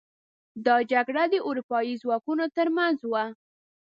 دا جګړه د اروپايي ځواکونو تر منځ وه.